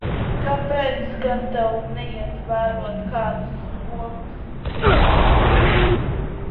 Kāpēc gan tev neiet vērot kādus spokus, cietpauri?